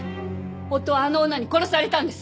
夫はあの女に殺されたんです。